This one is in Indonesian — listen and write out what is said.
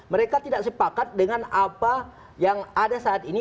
mereka tidak sepakat dengan apa yang ada saat ini